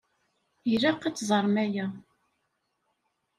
Ilaq ad t-teẓṛem aya.